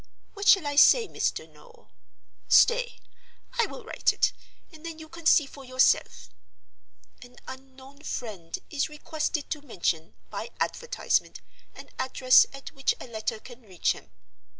What shall I say, Mr. Noel? Stay; I will write it, and then you can see for yourself: 'An Unknown Friend is requested to mention (by advertisement) an address at which a letter can reach him.